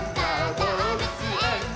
どうぶつえん」